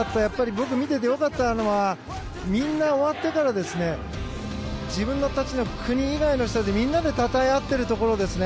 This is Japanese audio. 僕、見ていて良かったのはみんな、終わってから自分たちの国以外の人たちみんなでたたえ合っているところですね。